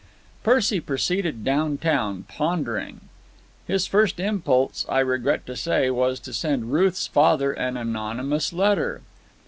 Percy proceeded down town, pondering. His first impulse, I regret to say, was to send Ruth's father an anonymous letter.